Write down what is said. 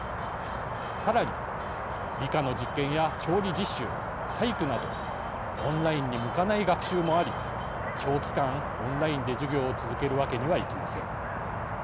さらに理科の実験や調理実習、体育などオンラインに向かない学習もあり長期間、オンラインで授業を続けるわけにはいきません。